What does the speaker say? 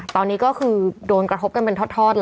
ตอนนี้ก็คือโดนกระทบกันเป็นทอดแล้ว